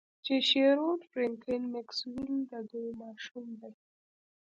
چې شیروډ فرینکلین میکسویل د دوی ماشوم دی